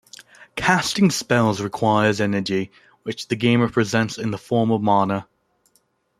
Casting spells requires energy, which the game represents in the form of mana.